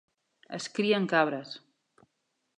Es crien cabres.